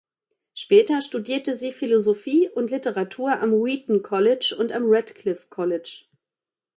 Später studierte sie Philosophie und Literatur am Wheaton College und am Radcliffe College.